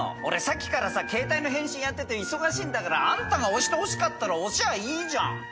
俺さっきからさ携帯の返信やってて忙しいんだからあんたが押してほしかったら押しゃあいいじゃん。